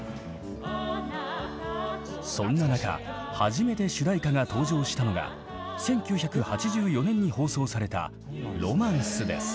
そんな中初めて主題歌が登場したのが１９８４年に放送された「ロマンス」です。